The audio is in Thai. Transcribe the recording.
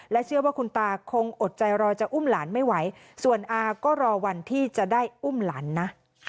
เชื่อว่าคุณตาคงอดใจรอจะอุ้มหลานไม่ไหวส่วนอาก็รอวันที่จะได้อุ้มหลานนะ